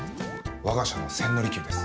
我が社の千利休です。